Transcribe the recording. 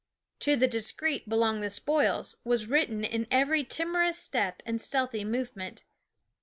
" To the discreet belong the spoils " was written in every timorous step and stealthy movement.